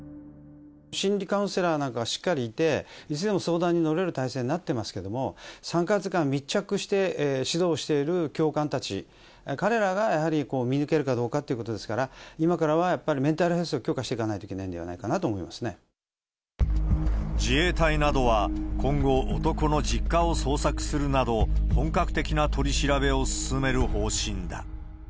心理カウンセラーなんかがしっかりいて、いつでも相談に乗れる体制になってますけれども、３か月間密着して指導している教官たち、彼らがやはり見抜けるかどうかということですから、今からはやっぱり、メンタルヘルスを強化していかないといけないのではないかなと思自衛隊などは今後、男の実家を捜索するなど、本格的な取り調べを進める方針だ。